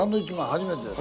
僕初めてです。